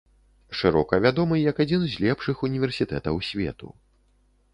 Шырока вядомы як адзін з лепшых універсітэтаў свету.